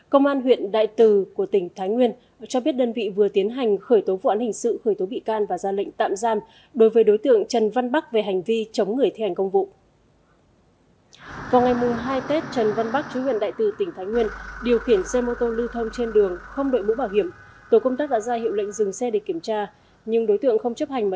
công an huyện đại từ của tỉnh thái nguyên cho biết đơn vị vừa tiến hành khởi tố vụ án hình sự khởi tố bị can và ra lệnh tạm giam